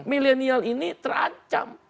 milenial ini terancam